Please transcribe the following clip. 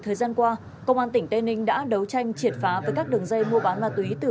thời gian qua công an tỉnh tây ninh đã đấu tranh triệt phá với các đường dây mua bán ma túy từ